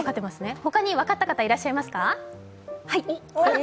他に分かった方はいらっしゃいますか？